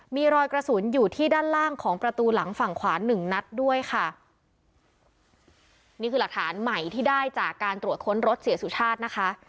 มีรอยกระสุนอยู่ที่ด้านล่างของประตูหลังฝั่งขวาหนึ่งนัดด้วยค่ะนี่คือหลักฐานใหม่ที่ได้จากการตรวจค้นรถเสียสุชาตินะคะ